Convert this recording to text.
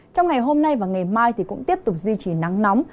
trong ngày hôm nay và ngày mai thì cũng tiếp tục duy trì nắng nóng